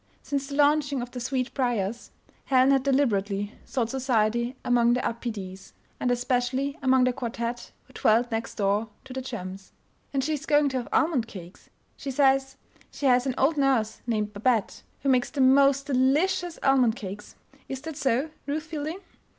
Since the launching of the Sweetbriars Helen had deliberately sought society among the Upedes, and especially among the quartette who dwelt next door to the chums. "And she is going to have almond cakes. She says she has an old nurse named Babette who makes the most de lic i ous almond cakes Is that so, Ruth Fielding?"